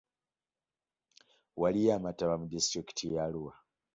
Waliyo amataba mu disitulikiti ya Arua.